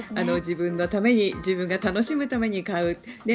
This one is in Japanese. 自分のために自分が楽しむために買う。